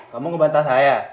kamu ngebantah saya